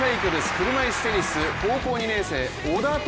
車いすテニス、高校２年生小田凱